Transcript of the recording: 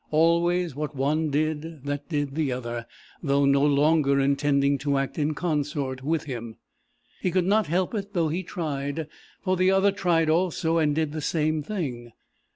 Always what one did, that did the other, though no longer intending to act in consort with him. He could not help it though he tried, for the other tried also, and did the same thing.